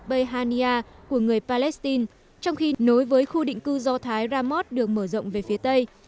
bayhania của người palestine trong khi nối với khu định cư do thái ramos được mở rộng về phía tây